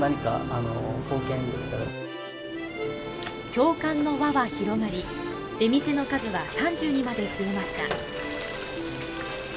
共感の輪は広がり、出店の数は３０にまで増えました。